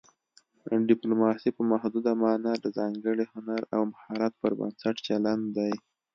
ډیپلوماسي په محدوده مانا د ځانګړي هنر او مهارت پر بنسټ چلند دی